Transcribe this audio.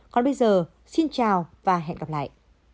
còn bây giờ xin chào và hẹn gặp lại